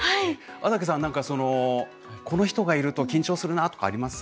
安宅さん何かこの人がいると緊張するなあとかあります？